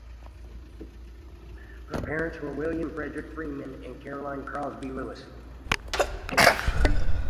Her parents were William Frederick Freeman and Caroline Crosby Lewis.